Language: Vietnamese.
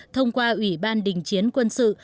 thông qua ủy ban đình chiến quân sự